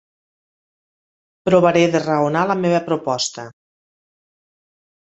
Provaré de raonar la meva proposta.